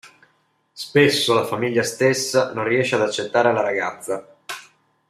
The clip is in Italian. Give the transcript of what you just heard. Spesso, la famiglia stessa non riesce ad accettare la ragazza.